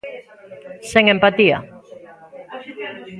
Sen empatía.